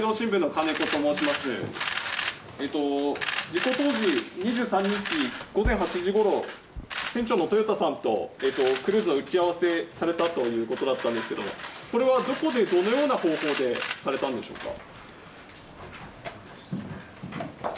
事故当時、２３日午前８時ごろ、船長の豊田さんとクルーズの打ち合わせをされたということだったんですけれども、これはどこで、どのような方法でされたんでしょうか。